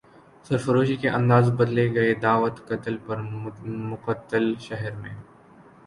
سرفروشی کے انداز بدلے گئے دعوت قتل پر مقتل شہر میں